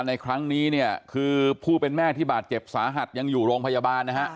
ในครั้งนี้เนี่ยคือผู้เป็นแม่ที่บาดเจ็บสาหัสยังอยู่โรงพยาบาลนะฮะ